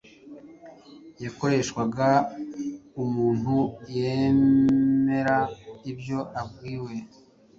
yakoreshwaga umuntu yemera ibyo abwiwe